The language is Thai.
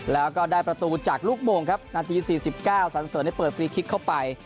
แล้วก็ได้ประตูจากลูกโมงครับนาที๔๙สันเสริญได้เปิดฟรีคลิกเข้าไป